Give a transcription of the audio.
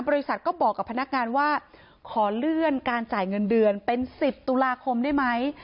บริษัทก็บอกกับพนักงานว่าขอเลื่อนการจ่ายเงินเดือนเป็น๑๐ตุลาคมได้ไหม